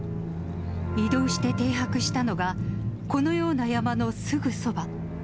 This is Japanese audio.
移動して停泊したのが、このような山のすぐそば。